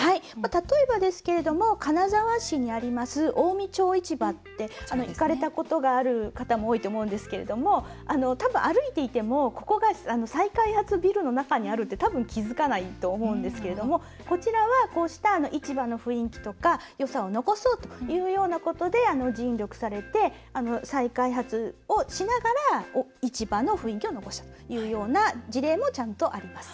例えば、金沢市にあります近江町市場って行かれたことがある方も多いと思うんですけど多分、歩いていてもここが再開発ビルの中にあるって多分気付かないと思うんですけどこちらは、こうした市場の雰囲気とか、よさを残そうというようなことで尽力されて再開発をしながら市場の雰囲気を残したというような事例もちゃんとあります。